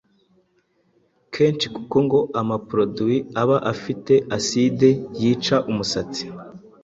kenshi kuko ngo ama produits aba afite acide yica umusatsi